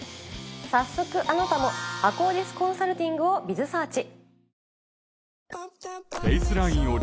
早速あなたも「ＡＫＫＯＤｉＳコンサルティング」をｂｉｚｓｅａｒｃｈ。